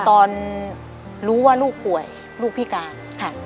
ตอนรู้ว่าลูกป่วยลูกพิการค่ะ